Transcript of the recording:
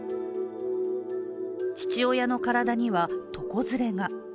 父親の体には、床ずれが。